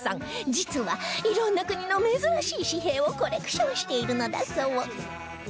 実は色んな国の珍しい紙幣をコレクションしているのだそう